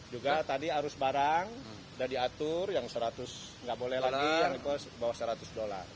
juga tadi arus barang sudah diatur yang seratus nggak boleh lagi bawah seratus dolar